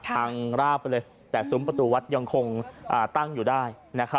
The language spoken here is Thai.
ราบไปเลยแต่ซุ้มประตูวัดยังคงตั้งอยู่ได้